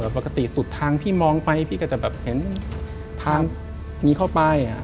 ปกติสุดทางพี่มองไปพี่ก็จะแบบเห็นทางนี้เข้าไป